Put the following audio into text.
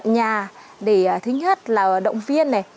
bận nhà để thứ nhất là động viên